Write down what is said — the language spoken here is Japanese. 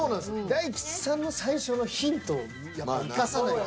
大吉さんの最初のヒントを生かさないと。